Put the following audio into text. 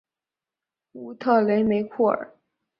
乌特雷梅库尔。